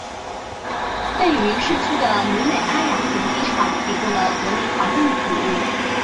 位于市区的努美阿洋红机场提供了国内航班的服务。